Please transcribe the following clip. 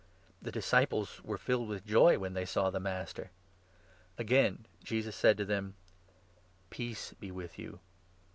The disciples were filled with joy when they saw the Master. Again Jesus said to them :" Peace be with 21 you.